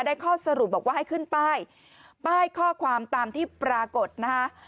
ข้อสรุปบอกว่าให้ขึ้นป้ายป้ายข้อความตามที่ปรากฏนะฮะ